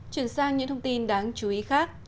chuyển sang những thông tin đáng chú ý khác